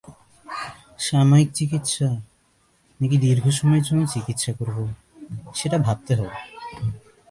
সাময়িক চিকিৎসা, নাকি দীর্ঘ সময়ের জন্য চিকিৎসা করব, সেটা ভাবতে হবে।